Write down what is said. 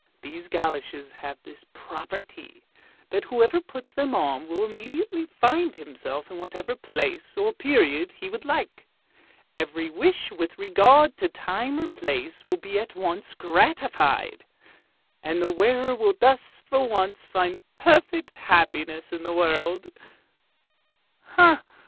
These goloshes have this property, that whoever puts them on will immediately find himself in whatever place or period he would like; every wish with regard to time or place will be at once gratified, and the wearer will thus for once find perfect happiness in this world!